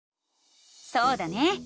そうだね！